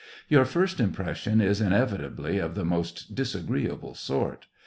Your first impression is inevitably of the most disagree able sort.